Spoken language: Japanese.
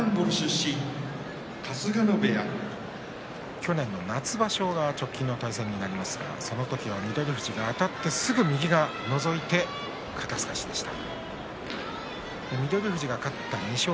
去年の夏場所が直近の対戦になりますがその時は翠富士があたってすぐのぞいて肩すかしでした。